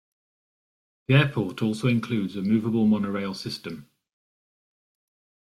The airport also includes a movable monorail system.